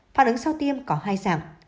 phản ứng sau tiêm có hai dạng